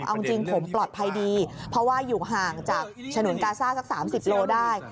เอาจริงผมปลอดภัยดีเพราะว่าอยู่ห่างจากฉนวนกาซ่าสัก๓๐โลได้